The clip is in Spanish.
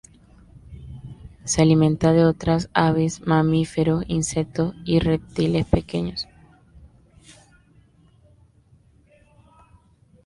Se alimenta de otras aves, mamíferos, insectos y reptiles pequeños.